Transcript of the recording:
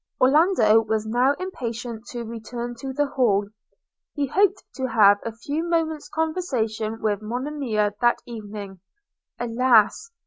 Orlando was now impatient to return to the Hall – He hoped to have a few moments conversation with Monimia that evening; alas!